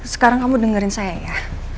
sekarang kamu dengerin saya ya